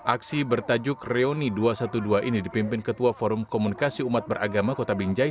aksi bertajuk reuni dua ratus dua belas ini dipimpin ketua forum komunikasi umat beragama kota binjai